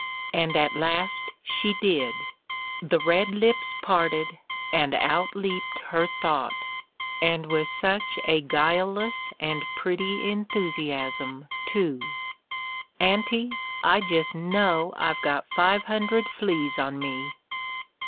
And at last she did; the red lips parted, and out leaped her thought, — and with such a guile less and pretty enthusiasm, too: "Auntie, I just know I've got five hundred fleas on me!"